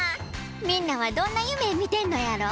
みんなはどんなゆめみてんのやろ？